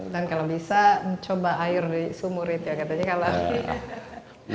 dan kalau bisa coba air di sumur itu ya katanya